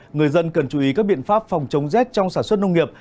người dân cần chú ý các biện pháp phòng chống rét trong sản xuất nông nghiệp